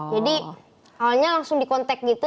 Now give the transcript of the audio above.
jadi awalnya langsung di kontek gitu